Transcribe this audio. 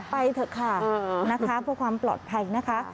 ไปเถอะค่ะเออเออนะคะเพราะความปลอดภัยนะคะ